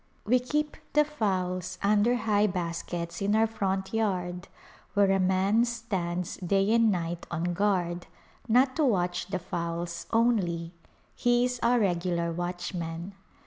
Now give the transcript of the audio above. We keep the fowls under high bas kets in our front yard where a man stands day and night on guard, not to watch the fowls only ; he is our regular watchman.